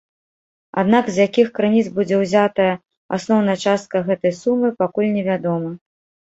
Аднак з якіх крыніц будзе ўзятая асноўная частка гэтай сумы, пакуль невядома.